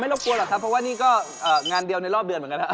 อ๋อไม่รบกัวล่ะครับเพราะว่านี้ก็งานเดียวในรอบเดือนเหมือนกันครับ